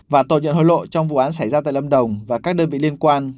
và tội nhận hối lộ trong vụ án xảy ra tại lâm đồng và các đơn vị liên quan